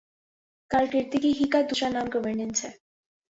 کارکردگی ہی کا دوسرا نام گورننس ہے۔